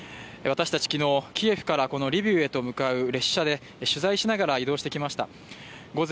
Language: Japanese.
私たち昨日、キエフからこのリビウへと向かう列車で取材しながら移動してきました。